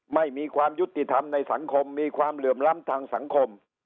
ไม่มีความยุติธรรมในสังคมมีความเหลื่อมล้ำทางสังคม